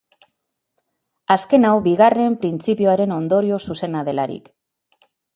Azken hau bigarren printzipioaren ondorio zuzena delarik.